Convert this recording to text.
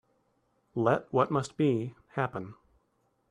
Let what must be, happen.